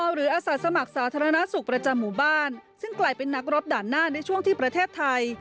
หรืออาสาสมัครสาธารณสุขประจำหมู่บ้านซึ่งกลายเป็นนักรบด่านหน้าในช่วงที่ประเทศไทย